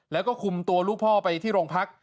แล้วก็คุมตัวลูกพ่อไปที่โรงพัก